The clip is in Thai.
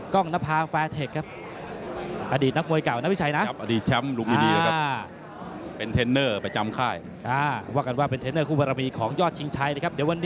กองนภาร์กฟากแฟนเทคครับ